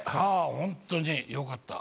本当によかった。